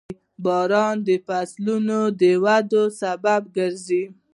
• باران د فصلونو د ودې سبب کېږي.